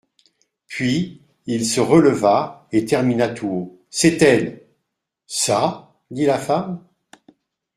Puis il se releva et termina tout haut : C'est elle ! Ça ? dit la femme.